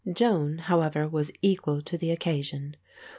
Joan, however, was equal to the occasion.